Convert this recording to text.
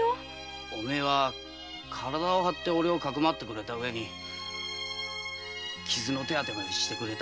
お前は体を張って隠まってくれた上に傷の手当てまでしてくれた。